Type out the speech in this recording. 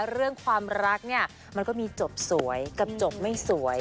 เรื่องความรักเนี่ยมันก็มีจบสวยกับจบไม่สวย